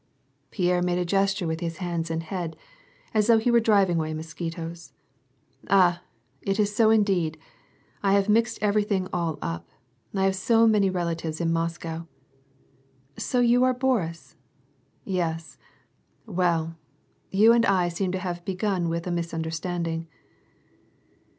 Pierre made a gesture with his hands and head, as though he were driving away mosquitoes. " Ah ! is that so indeed ! I have mixed everything all up^ I have so many relatives in Moscow ! So you are Boris — yes. Well, you and I seem to have begun with a misunderstanding.